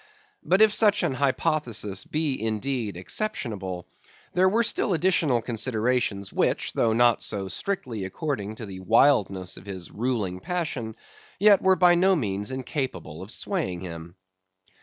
But if such an hypothesis be indeed exceptionable, there were still additional considerations which, though not so strictly according with the wildness of his ruling passion, yet were by no means incapable of swaying him.